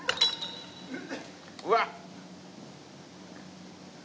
うわっ。